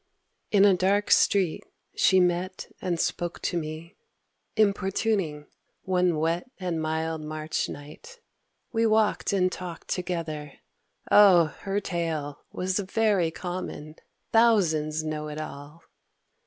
In a dark street she met and spoke to me, Importuning, one wet and mild March night. We walked and talked together. O her tale Was very common; thousands know it all!